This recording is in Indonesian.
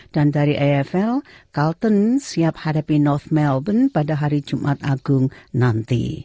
dan dari afl carlton siap hadapi north melbourne pada hari jumat agung nanti